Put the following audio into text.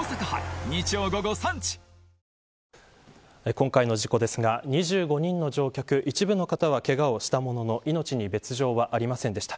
今回の事故ですが２５人の乗客一部の方は、けがはしたものの命に別条はありませんでした。